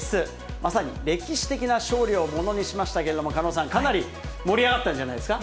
まさに歴史的な勝利をものにしましたけれども、狩野さん、かなり盛り上がったんじゃないですか。